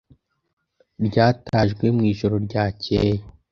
ryatajwe mu ijoro ryacyeye